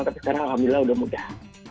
tapi sekarang alhamdulillah udah mudah